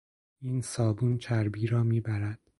این صابون چربی را میبرد.